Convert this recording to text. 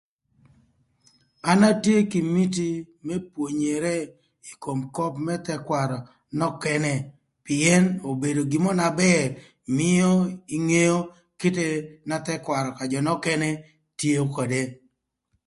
An atye kï miti më pwonyere ï kom köp më thëkwarö nökënë pïën obedo gin mö na bër mïö ingeo kite na thëkwarö ka jö nökënë tio ködë